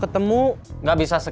kamu gue mau jadi musuh